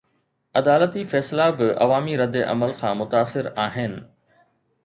عدالتي فيصلا به عوامي ردعمل کان متاثر آهن؟